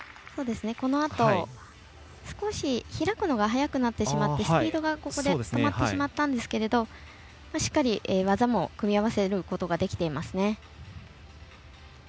少し開くのが早くなってしまってスピードが止まってしまったんですけどしっかり技も組み合わせることができています。